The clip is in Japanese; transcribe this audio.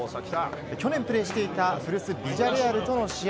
去年プレーしていた古巣ビジャレアルとの試合